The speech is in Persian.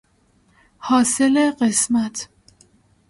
حاصل قسمت